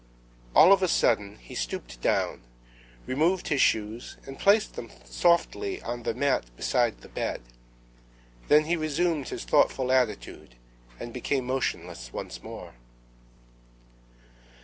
All of a sudden he stooped down, removed his shoes and placed them softly on the mat beside the bed; then he resumed his thoughtful attitude, and became motionless once more.